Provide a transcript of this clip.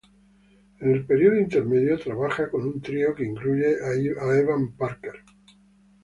En el periodo intermedio, trabaja con un trío que incluye a Evan Parker.